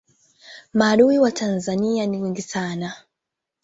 maadui wa tanzania ni wengi sana